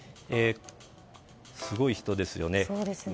すごい人ですよね。